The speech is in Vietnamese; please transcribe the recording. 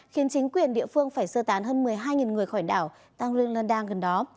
khiến chính quyền địa phương phải sơ tán hơn một mươi hai người khỏi đảo tagulanda gần đó